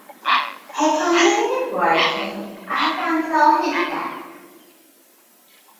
He continued working up until his death.